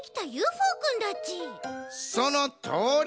そのとおり！